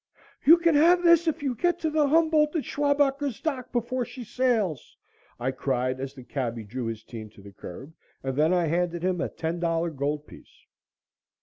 "You can have this if you get to the 'Humboldt' at Schwabacher's dock before she sails!" I cried as the cabby drew his team to the curb, and then I handed him a ten dollar gold piece.